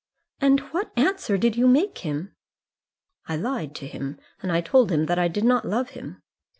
"And what answer did you make to him?" "I lied to him and told him that I did not love him."